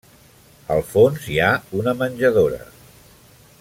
Al fons hi ha una menjadora.